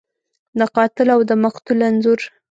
د قاتل او د مقتول انځور